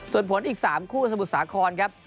ส่วนผลอีก๓คู่สมพุทธสาคร